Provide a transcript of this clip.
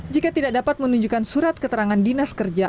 jika tidak dapat menunjukkan surat keterangan dinas kerja